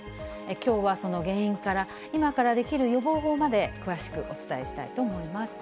きょうはその原因から、今からできる予防法まで、詳しくお伝えしたいと思います。